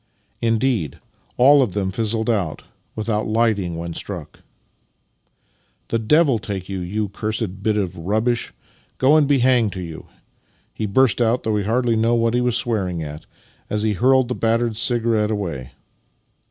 Indeed, all of them fizzled out without lighting when struck. "The devil take you, you cursed bit of rubbish! Go and be hanged to you! " he burst out (though hardly knowing what it was he was swearing at) as he hurled the battered cigarette away.